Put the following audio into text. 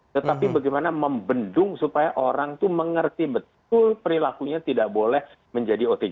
tetapi bagaimana membendung supaya orang itu mengerti betul perilakunya tidak boleh menjadi otg